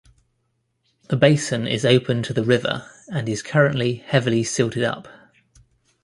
The basin is open to the river and is currently heavily silted up.